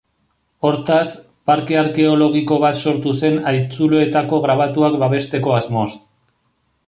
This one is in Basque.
Hortaz, parke arkeologiko bat sortu zen haitzuloetako grabatuak babesteko asmoz.